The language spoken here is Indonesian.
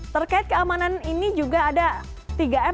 terkait keamanan ini juga ada tiga m